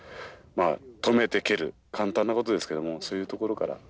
簡単なことですけどもそういうところから。